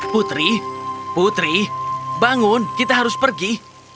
putri putri bangun kita harus pergi